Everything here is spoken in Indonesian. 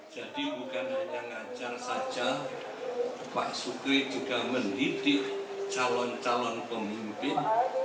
jadi bukan hanya ngajar saja pak sukri juga mendidik calon calon pemimpin